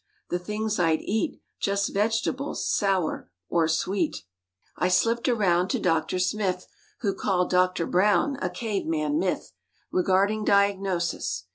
The things I'd eat— Just vegetables, sour or sweet. 59 I slipped arouna lO Doctor Smith, Who called Doc Brown a "cave man myth" Regarding diagnosis.